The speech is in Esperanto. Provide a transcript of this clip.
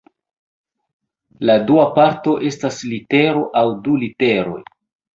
La dua parto estas litero aŭ du literoj.